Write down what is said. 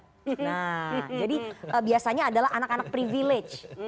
nah jadi biasanya adalah anak anak privilege